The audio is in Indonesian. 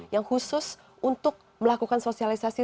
yang khusus untuk melakukan sosialisasi